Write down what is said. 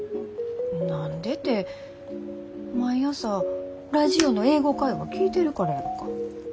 何でて毎朝ラジオの「英語会話」聴いてるからやろか。